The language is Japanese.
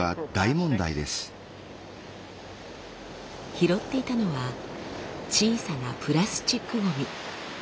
拾っていたのは小さなプラスチックゴミ。